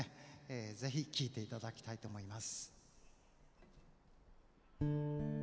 ぜひ聴いていただきたいと思います。